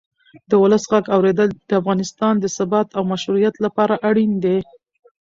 د ولس غږ اورېدل د افغانستان د ثبات او مشروعیت لپاره اړین دی